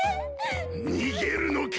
逃げるのか！？